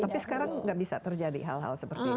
karena sekarang gak bisa terjadi hal hal seperti itu